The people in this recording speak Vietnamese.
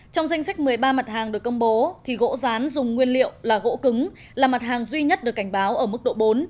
trong danh sách một mươi ba mặt hàng được công bố thì gỗ rán dùng nguyên liệu là gỗ cứng là mặt hàng duy nhất được cảnh báo ở mức độ bốn